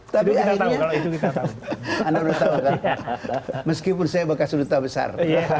tapi akhirnya meskipun saya bekas unduta besar